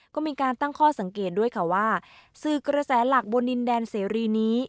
ก็มีการตั้งข้อสังเกตด้วยค่ะว่าสื่อกระแสหลักบนดินแดนเสรีนี้